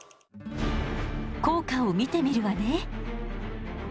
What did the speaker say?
効果を見てみるわね。